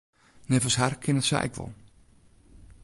Neffens har kin it sa ek wol.